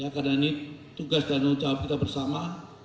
karena ini tugas dan menjawab kita bersama